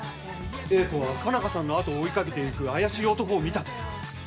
英子は佳奈花さんの後を追いかけていく怪しい男を見たと。